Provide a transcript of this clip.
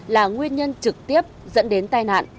là nguyên nhân trực tiếp dẫn đến tai nạn